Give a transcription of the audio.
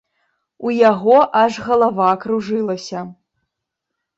У яго аж галава кружылася.